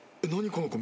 この子。